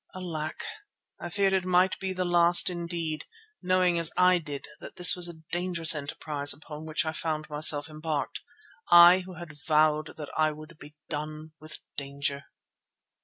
Alack! I feared it might be the last indeed, knowing as I did that this was a dangerous enterprise upon which I found myself embarked, I who had vowed that I would be done with danger.